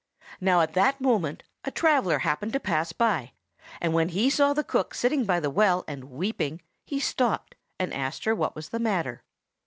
Now, at that moment a traveller happened to pass by, and when he saw the cook sitting by the well and weeping, he stopped, and asked her what was the matter.